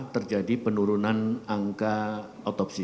terjadi penurunan angka otopsi